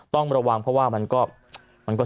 ต้องระวังเพราะว่ามันก็